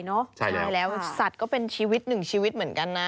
ใช่แล้วสัตว์ก็เป็นชีวิตหนึ่งชีวิตเหมือนกันนะ